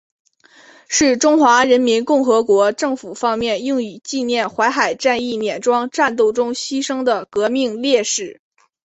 是中华人民共和国政府方面用以纪念淮海战役碾庄战斗中牺牲的革命烈士。